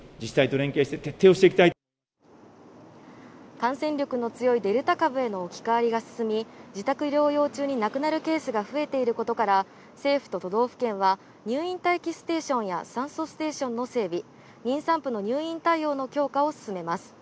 感染力の強いデルタ株への置き換わりが進み、自宅療養中に亡くなるケースが増えていることから、政府と都道府県は入院待機ステーションや酸素ステーションの整備、妊産婦の入院対応の強化を進めます。